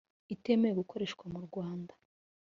itemewe gukoresha mu Rwanda